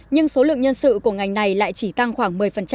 nhưng số lượng nhân sự của ngành này lại chỉ tăng khoảng một mươi